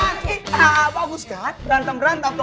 nah kita bagus kan berantem berantem tuh